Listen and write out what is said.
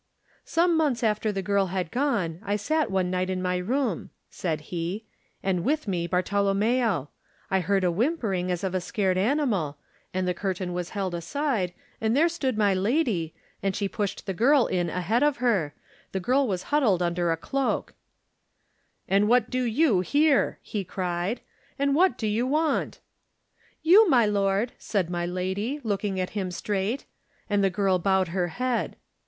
"Some months after the girl had gone I sat one night in my room," said he, "aad with me Bartolommeo. I heard a whim pering as of a scared animal, and the curtain was held aside, and there stood my lady, and she pushed the girl in ahead of her; the girl was huddled under a cloak* "*And what do you here?' he cried. 'What do you want?' "*You, my lord,' said my lady, looking at him straight. And the girl bowed her head.